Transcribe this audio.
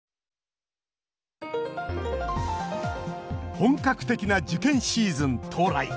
本格的な受験シーズン到来！